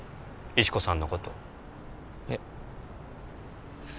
石子さんのことえっ？